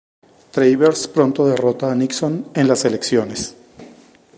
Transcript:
Travers pronto derrota a Nixon en las elecciones.